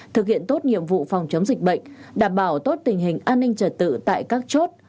thực hiện tốt nhiệm vụ phòng chống dịch bệnh đảm bảo tốt tình hình an ninh trật tự tại các chốt